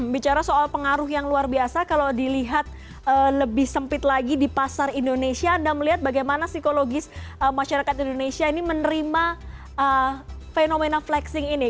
bicara soal pengaruh yang luar biasa kalau dilihat lebih sempit lagi di pasar indonesia anda melihat bagaimana psikologis masyarakat indonesia ini menerima fenomena flexing ini